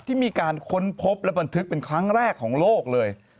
ที่มีการค้นพบและบันทึกเป็นครั้งแรกของโลกเลย